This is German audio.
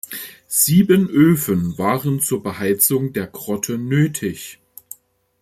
Sieben Öfen waren zur Beheizung der Grotte nötig.